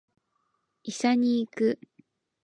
医者に行く